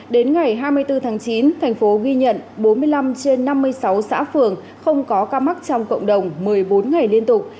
đến ngày hai mươi bốn tháng chín thành phố ghi nhận bốn mươi năm trên năm mươi sáu xã phường không có ca mắc trong cộng đồng một mươi bốn ngày liên tục